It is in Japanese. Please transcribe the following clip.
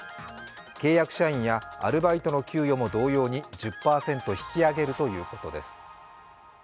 契約社員やアルバイトの給与も同様に１０％引き上げるということです。